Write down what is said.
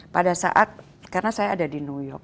pada saat karena saya ada di new york